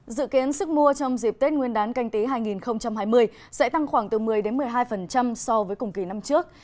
dự kiến sức mua trong dịp tết nguyên đán canh tí hai nghìn hai mươi sẽ tăng khoảng từ một mươi một mươi hai so với cùng kỳ năm trước